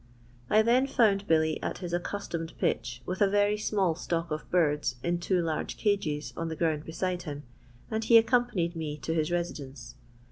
I then i ^nd Billy at his accustomed pitch, with a very nnall stock of birds in two large cages on the ground beside him, and he accompanied me to his residence.